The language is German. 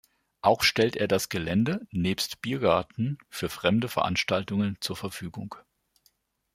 Auch stellt er das Gelände, nebst Biergarten, für fremde Veranstaltungen zur Verfügung.